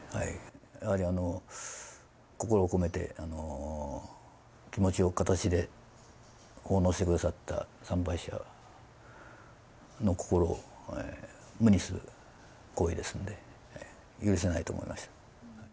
やはり心を込めて気持ちを形で奉納してくださった参拝者の心を無にする行為ですので、許せないと思いました。